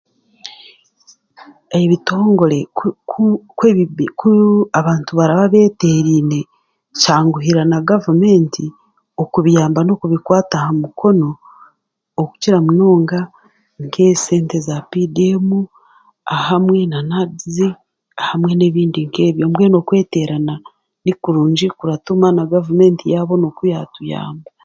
Ebitongore kub kubi ku abantu baraba beetereine, kyanguhira na gavumenti okubiyamba n'okubikwata aha mukono okukira munonga nk'esente za PDM hamwe na NAADS hamwe n'ebindi nk'ebyo. Mbwene okweterana hamwe nikurungi kiratuma na gavumenti yaabona oku yaatuyamba.